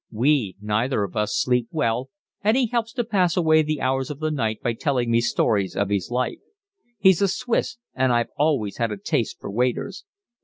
We neither of us sleep well, and he helps to pass away the hours of the night by telling me stories of his life. He's a Swiss, and I've always had a taste for waiters.